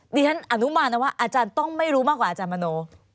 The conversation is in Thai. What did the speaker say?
ดิฉันอนุมานนะว่าอาจารย์ต้องไม่รู้มากกว่าอาจารย์มโน